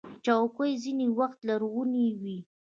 چوکۍ ځینې وخت لرغونې وي.